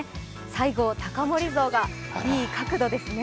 西郷隆盛像がいい角度ですね。